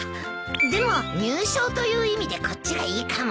でも入賞という意味でこっちがいいかも。